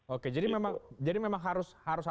oke jadi memang harus hati hati harus layak